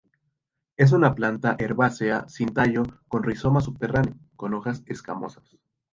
Es una planta herbácea sin tallo con rizoma subterráneo, con hojas escamosas.